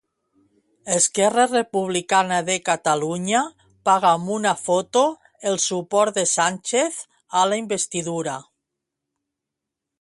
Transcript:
Esquerra Republicana de Catalunya paga amb una foto el suport de Sánchez a la investidura.